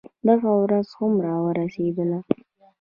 دغه ورځ هم راورسېدله.